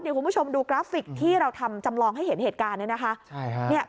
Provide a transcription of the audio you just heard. เดี๋ยวคุณผู้ชมดูกราฟิกที่เราทำจำลองให้เห็นเหตุการณ์เนี่ยนะคะ